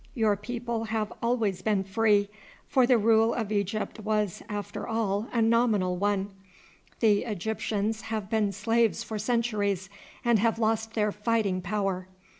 Your people have always been free, for the rule of Egypt was after all a nominal one. The Egyptians have been slaves for centuries and have lost their fighting power.